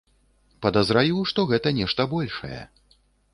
Падазраю, што гэта нешта большае.